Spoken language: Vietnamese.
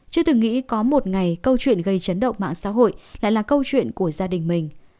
chưa từng nghĩ có một ngày câu chuyện gây chấn động mạng xã hội lại là câu chuyện của gia đình mình